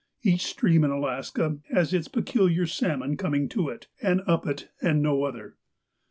Each stream in Alaska has its particular sal mon coming to it, and up it, and no other.